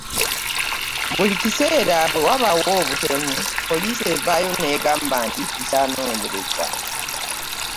Buli kiseera bwe wabaawo obutemu poliisi evaayo n'egamba nti tukyanoonyereza.